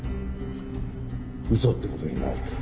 嘘って事になる。